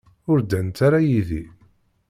Ur ddant ara yid-i.